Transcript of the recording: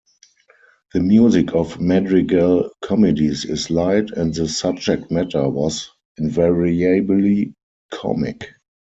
The music of madrigal comedies is light, and the subject matter was invariably comic.